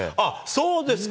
そうですか。